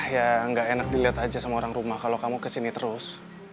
ya nggak enak dilihat aja sama orang rumah kalau kamu kesini terus